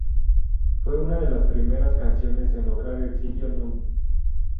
Fue una de las primeras canciones en lograr el sitio Núm.